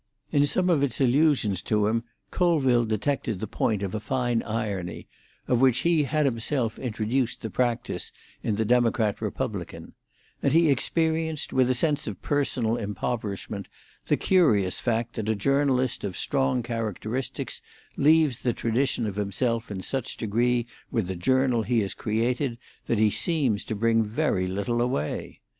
In some of its allusions to him Colville detected the point of a fine irony, of which he had himself introduced the practice in the Democrat Republican; and he experienced, with a sense of personal impoverishment, the curious fact that a journalist of strong characteristics leaves the tradition of himself in such degree with the journal he has created that he seems to bring very little away.